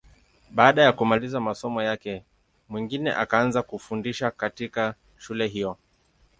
Baada ya kumaliza masomo yake, Mwingine akaanza kufundisha katika shule hiyo.